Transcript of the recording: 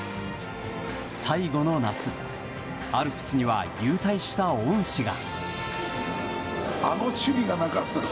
最後の夏、アルプスには勇退した恩師が。